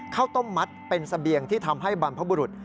ข้าวต้มมัดเป็นเสบียงที่ทำให้บรรพบุรุษ